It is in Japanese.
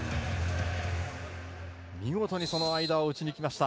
見事に間を打ち抜きました。